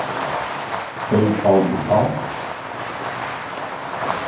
Tem pão de sal?